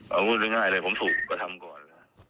มันไม่ง่ายเลยผมถูกก็ทำก่อน